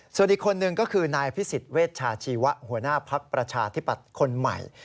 ส่วนอีกคนนึงก็คือนายพิสิทธิเวชชาชีวะหัวหน้าภักดิ์ประชาธิปัตย์คนใหม่